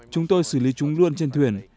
chúng tôi xử lý chúng luôn trên thuyền